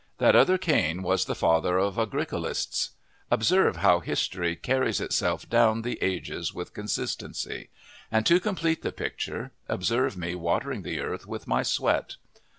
That other Cain was the father of agricolists. Observe how history carries itself down the ages with consistency! And to complete the picture, observe me watering the earth with my sweat!